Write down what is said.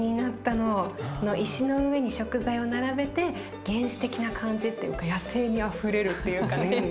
石の上に食材を並べて原始的な感じっていうか野性味あふれるっていうかね。